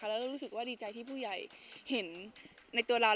แล้วดีใจที่ผู้ใหญ่เห็นในตัวร้าน